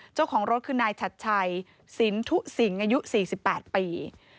เจ้าของรถคือนายชัดชัยสินทุสิงอายุ๔๘ปี